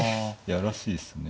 やらしいっすね。